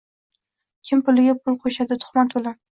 Kim puliga pul qoʼshadi tuhmat bilan.